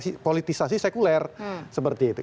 jangan juga ada politisasi sekuler seperti itu